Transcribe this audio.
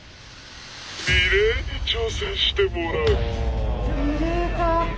「リレーに挑戦してもらう」。